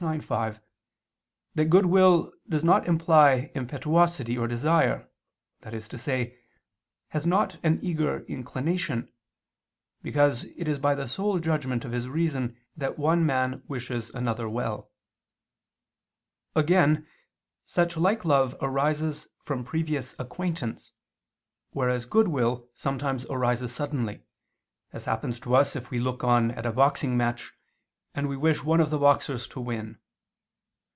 ix, 5) that goodwill does not imply impetuosity or desire, that is to say, has not an eager inclination, because it is by the sole judgment of his reason that one man wishes another well. Again such like love arises from previous acquaintance, whereas goodwill sometimes arises suddenly, as happens to us if we look on at a boxing match, and we wish one of the boxers to win.